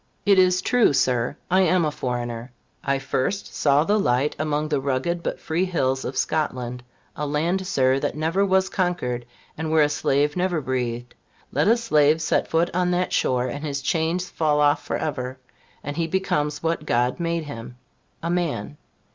It is true, Sir I am a foreigner. I first saw the light among the rugged but free hills of Scotland; a land, Sir, that never was conquered, and where a slave never breathed. Let a slave set foot on that shore, and his chains fall off for ever, and he becomes what God made him a man.